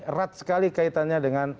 erat sekali kaitannya dengan